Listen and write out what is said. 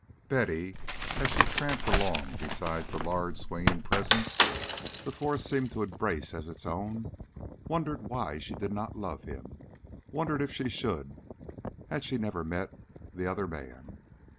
Betty, as she tramped along beside the large swinging presence the forest seemed to embrace as its own, wondered why she did not love him, wondered if she should, had she never met the other man.